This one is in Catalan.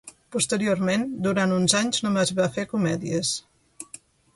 Posteriorment durant uns anys només va fer comèdies.